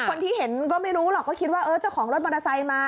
คนที่เห็นก็ไม่รู้หรอกก็คิดว่าเออเจ้าของรถมอเตอร์ไซค์มา